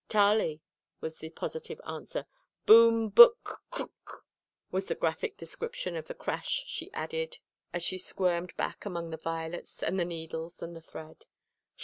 "Tarlie," was the positive answer. "Boom book crk!" was the graphic description of the crash she added as she squirmed back among the violets and the needles and the thread.